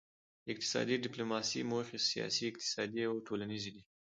د اقتصادي ډیپلوماسي موخې سیاسي اقتصادي او ټولنیزې دي